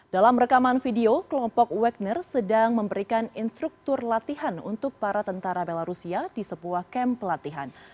dalam rekaman video kelompok wegner sedang memberikan instruktur latihan untuk para tentara belarusia di sebuah kamp pelatihan